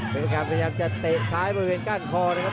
เป็นประการพยายามจะเตะซ้ายบริเวณก้านคอนะครับ